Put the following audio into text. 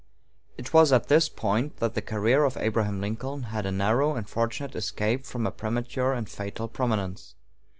It was at this point that the career of Abraham Lincoln had a narrow and fortunate escape from a premature and fatal prominence.